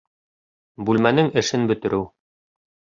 Бүлмәнең эшен бөтөрөү